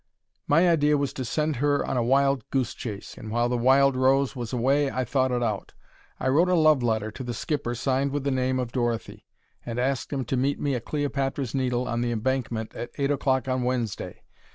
My idea was to send her on a wild goose chase, and while the Wild Rose was away I thought it out. I wrote a love letter to the skipper signed with the name of "Dorothy," and asked 'im to meet me at Cleopatra's Needle on the Embankment at eight o'clock on Wednesday.